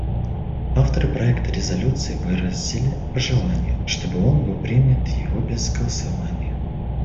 Авторы проекта резолюции выразили пожелание, чтобы он был принят его без голосования.